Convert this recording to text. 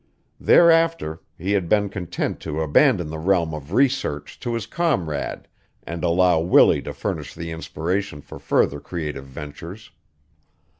Thereafter he had been content to abandon the realm of research to his comrade and allow Willie to furnish the inspiration for further creative ventures.